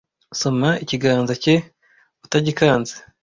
soma ikiganza cye utagikanze